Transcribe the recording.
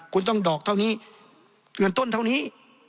คุณต้องดอกเท่านี้เงินต้นเท่านี้